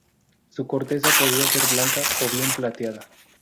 Su corteza podía ser blanca o bien plateada.